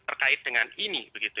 terkait dengan ini